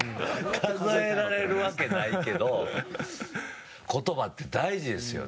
数えられるわけないけど言葉って大事ですよね。